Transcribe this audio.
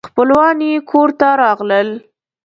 خپلوان یې کور ته راغلل.